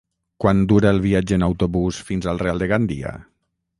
Quant dura el viatge en autobús fins al Real de Gandia?